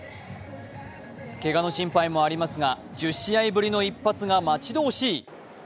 けがの心配もありますが１０試合ぶりの一発が待ち遠しい。